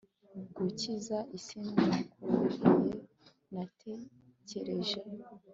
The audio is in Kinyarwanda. gukiza isi. ndakurahiye natekereje